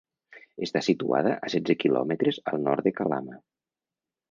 Està situada a setze quilòmetres al nord de Calama.